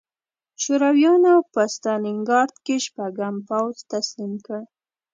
شورویانو په ستالینګراډ کې شپږم پوځ تسلیم کړ